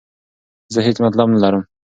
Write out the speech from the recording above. زه هیڅ مطلب نه لرم.